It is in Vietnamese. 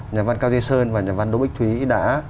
nhà văn cao duy sơn và nhà văn đỗ bích thúy đã